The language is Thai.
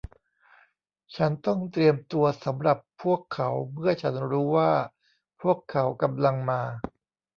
ฉันต้องเตรียมตัวสำหรับพวกเขาเมื่อฉันรู้ว่าพวกเขากำลังมา